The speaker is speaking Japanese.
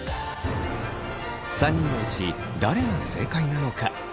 ３人のうち誰が正解なのか？